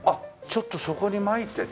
ちょっとそこにまいてね。